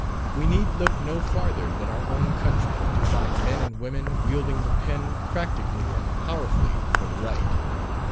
We need look no farther than our own country to find men and women wielding the pen practically and powerfully for the right.